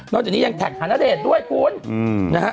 นอกจากนี้ยังแข่งิด้วยคุณ